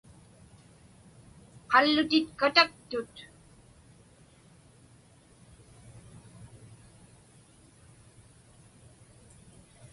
Qallutit kataktut.